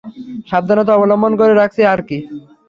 সাবধানতা অবলম্বন করে রাখছি আরকি।